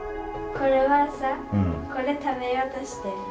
これはさこれ食べようとしてるの？